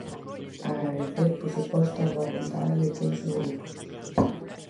Agradecer, por suposto, a boa vontade de todos os grupos.